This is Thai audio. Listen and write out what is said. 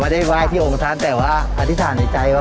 ไม่ได้ไหว่ที่โรงโทรศัศน์แต่ว่าอธิษฐานในใจกล่าว